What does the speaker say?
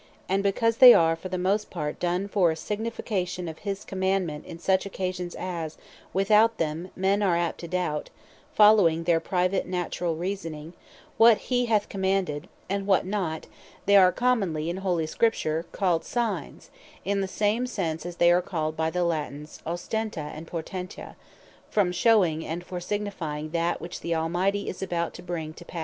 And because they are for the most part, done, for a signification of his commandement, in such occasions, as without them, men are apt to doubt, (following their private naturall reasoning,) what he hath commanded, and what not, they are commonly in Holy Scripture, called Signes, in the same sense, as they are called by the Latines, Ostenta, and Portenta, from shewing, and fore signifying that, which the Almighty is about to bring to passe.